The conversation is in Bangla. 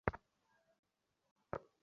আমার মনে হয় এটা নষ্ট হয়ে গেছে।